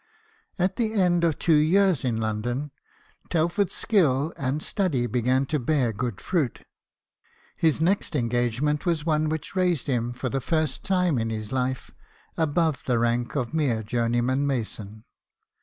At the end of two years in London, Telford's skill and study began to bear good fruit. His next engagement was one which raised him for the first time in his life above the rank of a mere journeyman mason.